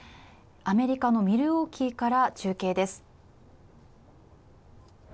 アメリカのミルウォーキーから中継です。